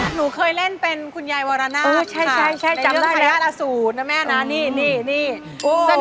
หนูเคยเล่นเป็นคุณยายวรรณาชค่ะในเรื่องขยะอสูรนะแม่นะใช่จำได้เลย